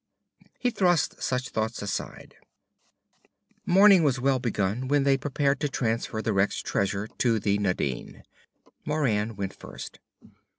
He thrust such thoughts aside. Morning was well begun when they prepared to transfer the wreck's treasure to the Nadine. Moran went first.